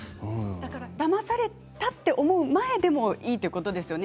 だまされたと思う前でもいいということですよね。